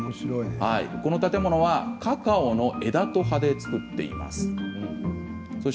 この建物はカカオの枝と葉で造っています。